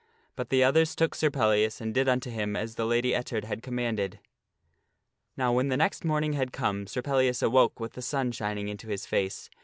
But the others took Sir Pellias and did unto him as the Lady Ettard had commanded. Now when the next morning had come, Sir Pellias awoke with the sun shining into his face.